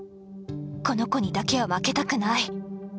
この子にだけは負けたくない。